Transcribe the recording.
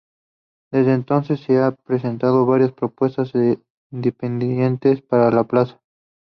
Desde entonces, se han presentado varias propuestas independientes para la plaza.